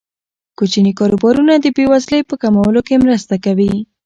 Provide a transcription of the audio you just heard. کوچني کاروبارونه د بې وزلۍ په کمولو کې مرسته کوي.